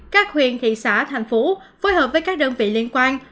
các huyền thị xã thành phố phối hợp với các đơn vị liên quan